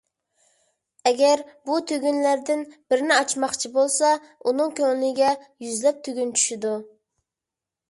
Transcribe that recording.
ئەگەر بۇ تۈگۈنلەردىن بىرنى ئاچماقچى بولسا، ئۇنىڭ كۆڭلىگە يۈزلەپ تۈگۈن چۈشىدۇ.